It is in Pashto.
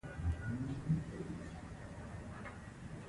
د زده کړې مور د ماشوم لپاره ښه نمونه ده.